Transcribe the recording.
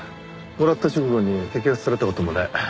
もらった直後に摘発された事もね。